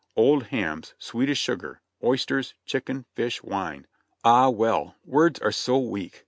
Old hams, sweet as sugar, oysters, chickens, fish, wine, — Ah well ! Words are so weak.